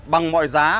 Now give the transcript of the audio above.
bằng mọi giá